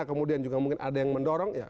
kemudian juga mungkin ada yang mendorong ya